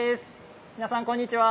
皆さんこんにちは。